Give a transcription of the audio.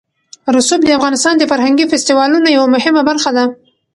رسوب د افغانستان د فرهنګي فستیوالونو یوه مهمه برخه ده.